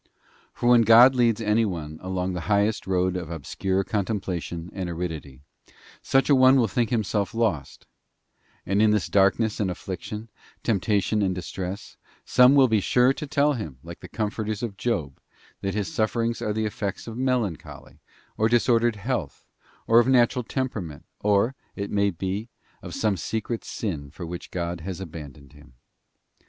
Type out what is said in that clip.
For when God leads any one along the highest road of obscure contemplation and aridity, such an one will think himself lost; and in this darkness and affliction, temptation and distress, some will be sure to tell him, like the comforters of Job,f that his sufferings are the effects of melancholy, or disordered health, or of natural temperament, or, it may be, of some secret sin for which God has abandoned him.